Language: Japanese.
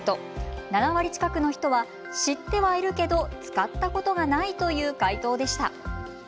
７割近くの人は知ってはいるけど使ったことがないという回答でした。